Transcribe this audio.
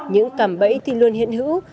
những cảm bẫy thì luôn hiện hữu